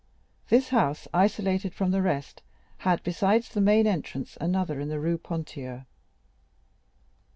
This house, isolated from the rest, had, besides the main entrance, another in the Rue de Ponthieu.